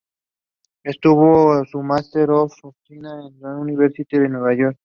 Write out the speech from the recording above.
Obtuvo su Master of Fine Arts en la universidad de New York.